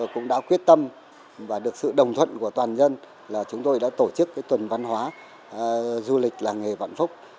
cũng đã quyết tâm và được sự đồng thuận của toàn dân là chúng tôi đã tổ chức tuần văn hóa du lịch làng nghề vạn phúc